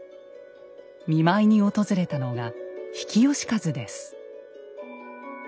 見舞いに訪れたのが比企能員です。